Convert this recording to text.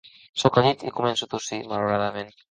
Soc al llit i començo a tossir, malauradament.